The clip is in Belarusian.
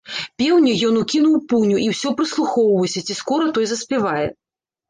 Пеўня ён укінуў у пуню і ўсё прыслухоўваўся, ці скора той заспявае.